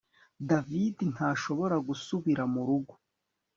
David ntashobora gusubira murugo